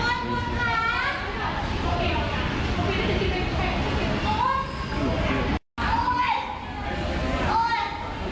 เชิงเท่าสมบัติว่าพลาดหน้าที่เราวางเข้าสี